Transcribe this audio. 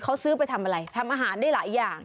เขาซื้อไปทำอะไรทำอาหารได้หลายอย่าง